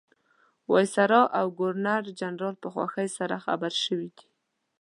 وایسرا او ګورنرجنرال په خوښۍ سره خبر شوي دي.